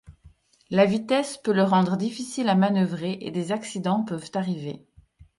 La vitesse peut le rendre difficile à manœuvrer et des accidents peuvent arriver.